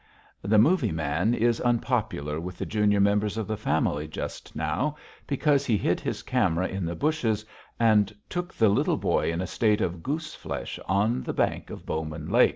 (The "movie" man is unpopular with the junior members of the family just now, because he hid his camera in the bushes and took the Little Boy in a state of goose flesh on the bank of Bowman Lake.)